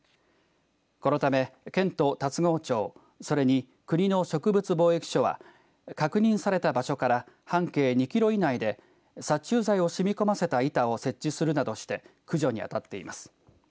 このため県と龍郷町それに国の植物防疫所は確認された場所から半径２キロ以内で殺虫剤を染み込ませた板を設置するなどして駆除に当たっています。